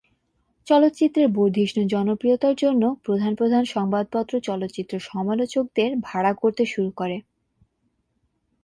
চলচ্চিত্রের বর্ধিষ্ণু জনপ্রিয়তার জন্য প্রধান প্রধান সংবাদপত্র চলচ্চিত্র সমালোচকদের ভাড়া করতে শুরু করে।